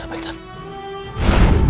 tidak tidak tidak